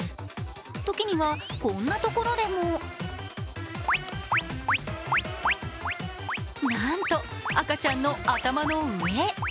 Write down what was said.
時には、こんなところでもなんと赤ちゃんの頭の上。